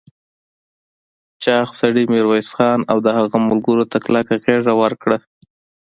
چاغ سړي ميرويس خان او د هغه ملګرو ته کلکه غېږ ورکړه.